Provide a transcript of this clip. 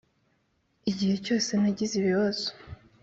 igihe cyose nagize ibibazo